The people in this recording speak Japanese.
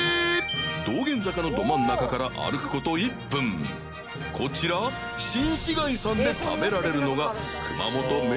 道玄坂のど真ん中から歩くこと１分こちら新市街さんで食べられるのが槎昌困